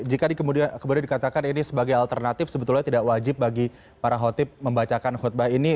jika kemudian dikatakan ini sebagai alternatif sebetulnya tidak wajib bagi para khotib membacakan khutbah ini